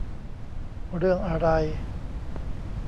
เรื่องอะไร